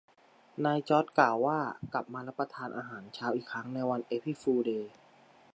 นายจอร์จกล่าวว่ากลับมารับประทานอาหารเช้าอีกครั้งในวันเอพริลฟูลเดย์